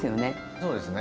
そうですね。